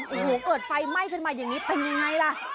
โอ้โหเกิดไฟไหม้ขึ้นมาอย่างนี้เป็นยังไงล่ะ